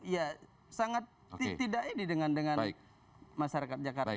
ya sangat tidak ini dengan masyarakat jakarta